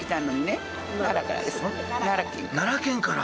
奈良県から！？